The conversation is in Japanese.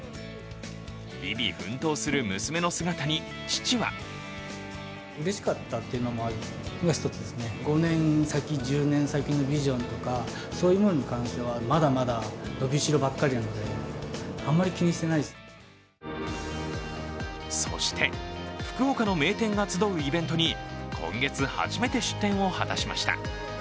日々奮闘する娘の姿に父はそして、福岡の名店が集うイベントに今月初めて出店を果たしました。